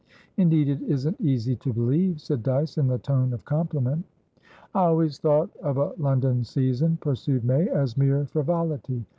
"Indeed it isn't easy to believe," said Dyce, in the tone of compliment. "I always thought of a London season," pursued May, "as mere frivolity.